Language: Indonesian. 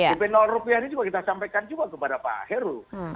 dp rupiah ini juga kita sampaikan juga kepada pak heru